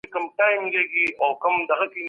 څوک د سانسور مخه نیسي؟